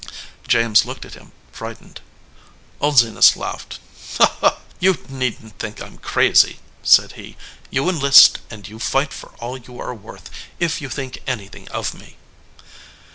James looked at him, frightened. Old Zenas laughed. "You needn t think I m crazy," said he. "You enlist, and you fight for all you are worth, if you think anything of me."